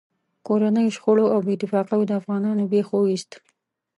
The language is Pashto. کورنیو شخړو او بې اتفاقیو د افغانانو بېخ و ایست.